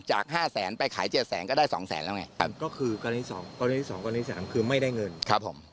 จาก๕แสนไปขาย๗แสนก็ได้๒๐๐๐๐๐บาทแล้วไง